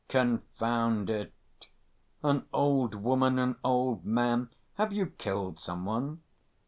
"Confound it! An old woman, an old man.... Have you killed some one?"